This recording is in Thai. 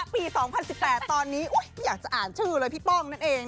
ปี๒๐๑๘ตอนนี้ไม่อยากจะอ่านชื่อเลยพี่ป้องนั่นเอง